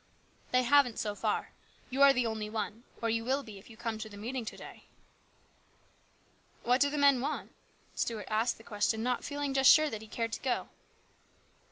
" They haven't so far. You are the only one ; or you will be, if you come to the meeting to day." "What do the men want?" Stuart asked the question, not feeling just sure that he cared to go.